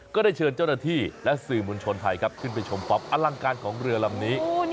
ก็ได้เชิญเจ้าหน้าที่และสื่อมวลชนไทยครับขึ้นไปชมความอลังการของเรือลำนี้